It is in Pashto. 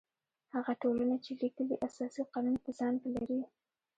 هغه ټولنې چې لیکلي اساسي قوانین په ځان کې لري.